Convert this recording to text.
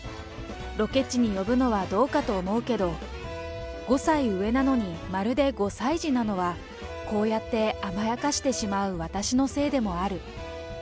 ロケ地に呼ぶのはどうかと思うけど、５歳上なのにまるで５歳児なのは、こうやって甘やかしてしまう私のせいでもある。